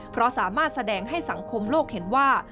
เพราะสามารถแสดงให้สังคมโลกเห็นว่า